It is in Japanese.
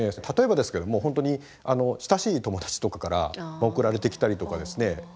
例えばですけども本当に親しい友達とかから送られてきたりとかですね